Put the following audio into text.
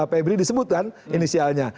pebri disebut kan inisialnya